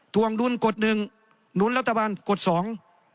วงดุลกฎหนึ่งหนุนรัฐบาลกฎสอง